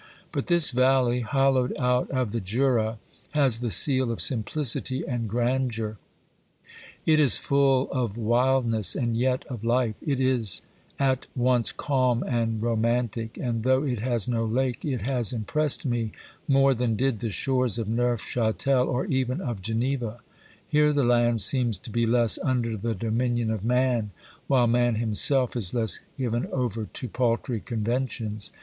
But this valley, hollowed out of the Jura, has the seal of simphcity and grandeur ; it is full of wildness and yet of hfe ; it is at once calm and romantic, and though it has no lake, it has impressed me more than did the shores of Neufchatel or even of Geneva. Here the land seems to be less under the dominion of man, while man himself is less given over to paltry conventions.